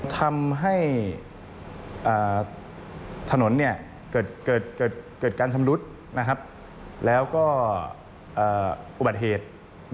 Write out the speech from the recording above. ทำให้ถนนเกิดการชำรุดแล้วก็อุบัติเหตุ